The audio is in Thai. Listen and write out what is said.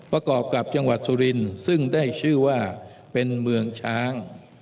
ประกอบกับจังหวัดสุรินทร์ซึ่งได้ชื่อว่าเป็นเมืองช้าง